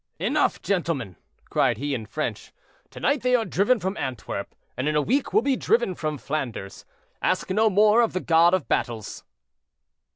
"Enough, gentlemen," cried he, in French, "to night they are driven from Antwerp, and in a week will be driven from Flanders; ask no more of the God of battles."